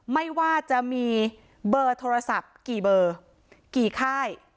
ไม่ว่าจะมีเบอร์โทรศัพท์กี่เบอร์กี่ค่าย